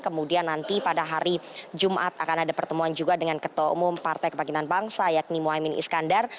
kemudian nanti pada hari jumat akan ada pertemuan juga dengan ketua umum partai kebangkitan bangsa yakni muhaymin iskandar